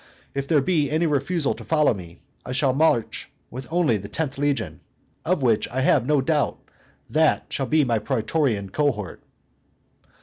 If there be any refusal to follow me, I shall march with only the tenth legion, of which I have no doubt; that shall be my praetorian cohort."